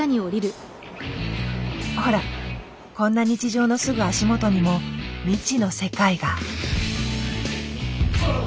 ほらこんな日常のすぐ足元にも未知の世界が。